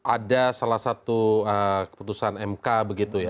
ada salah satu keputusan mk begitu ya